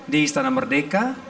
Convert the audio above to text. di istana merdeka